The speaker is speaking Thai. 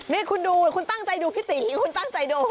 นี่คุณดูคุณตั้งใจดูพี่ตีคุณตั้งใจดู